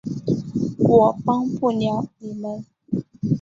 我帮不了你们